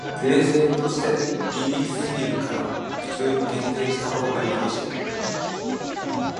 税制として歪すぎるから、普通に減税したほうがいいでしょ。